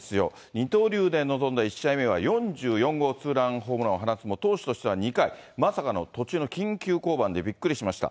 二刀流で臨んだ１試合目は４４号ツーランホームランを放つも投手としては２回、まさかの途中の緊急降板でびっくりしました。